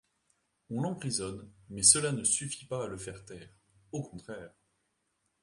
On l'emprisonne, mais cela ne suffit pas à le faire taire, au contraire.